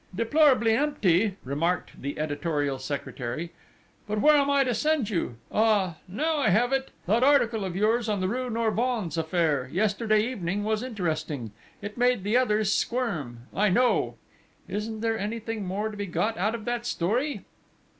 "Deplorably empty!" remarked the editorial secretary. "But where am I to send you?... Ah, now I have it! That article of yours on the rue Norvins affair, yesterday evening, was interesting it made the others squirm, I know! Isn't there anything more to be got out of that story?"